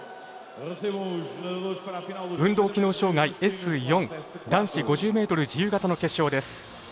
運動機能障がいＳ４男子５０ｍ自由形の決勝です。